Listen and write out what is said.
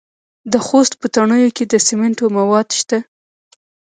د خوست په تڼیو کې د سمنټو مواد شته.